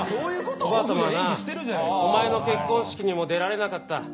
おばあさまはなお前の結婚式にも出られなかった」